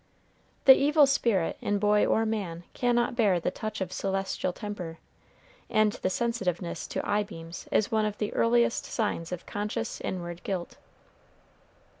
The evil spirit in boy or man cannot bear the "touch of celestial temper;" and the sensitiveness to eyebeams is one of the earliest signs of conscious, inward guilt.